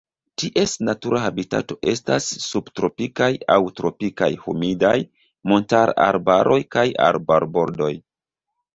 Ties natura habitato estas subtropikaj aŭ tropikaj humidaj montararbaroj kaj arbarbordoj.